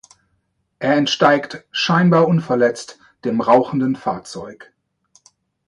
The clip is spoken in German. Er entsteigt scheinbar unverletzt dem rauchenden Fahrzeug.